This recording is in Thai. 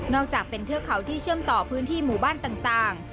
อกจากเป็นเทือกเขาที่เชื่อมต่อพื้นที่หมู่บ้านต่าง